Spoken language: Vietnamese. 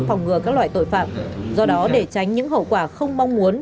phòng ngừa các loại tội phạm do đó để tránh những hậu quả không mong muốn